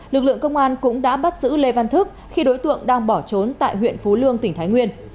lực lượng công an cũng đã bắt giữ lê văn thức khi đối tượng đang bỏ trốn tại huyện phú lương tỉnh thái nguyên